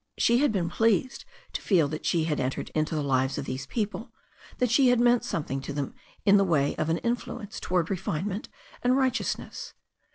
She had been pleased to feel that she had entered into the lives of these people, that she had meant something to them in the way of an influence towards refinement and right eousness.